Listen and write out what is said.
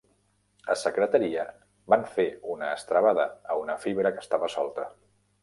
A secretaria van fer una estrebada a una fibra que estava solta.